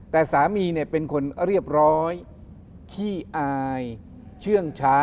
แต่สามีเป็นคนเรียบร้อยขี้อายเชื่องช้า